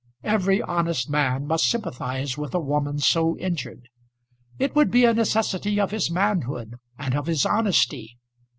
Every honest man must sympathise with a woman so injured. It would be a necessity of his manhood and of his honesty!